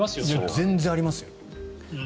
全然ありますよ。